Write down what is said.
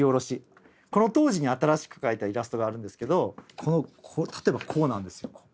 この当時に新しく描いたイラストがあるんですけど例えばこうなんですよ。